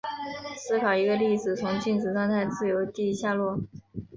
思考一个粒子从静止状态自由地下落。